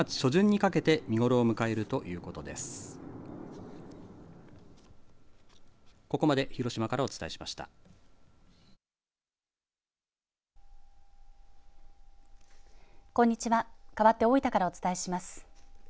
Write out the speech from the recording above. かわって大分からお伝えします。